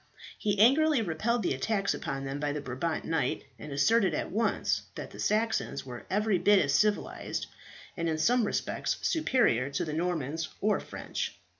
He angrily repelled the attack upon them by the Brabant knight, and asserted at once that the Saxons were every bit as civilized, and in some respects superior, to the Normans or French.